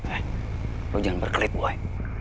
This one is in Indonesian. eh lo jangan berkelit boy